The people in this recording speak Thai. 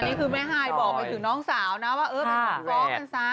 อันนี้คือแม่หายบอกไปถึงน้องสาวนะว่าเอ๊ะฟ้องกันซะ